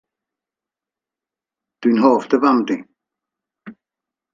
Dw i'n hoffi dy fam di.